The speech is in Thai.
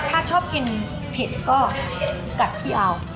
ถ้าชอบกินผิดก็กัดพี่เอา